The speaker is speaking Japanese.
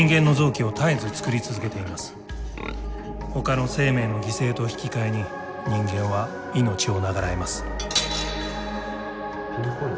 ほかの生命の犠牲と引き換えに人間は命を長らえます。